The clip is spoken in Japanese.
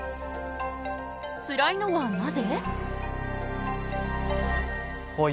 つらいのはなぜ？